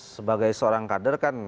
sebagai seorang kader kan